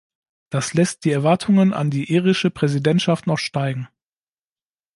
Das lässt die Erwartungen an die irische Präsidentschaft noch steigen.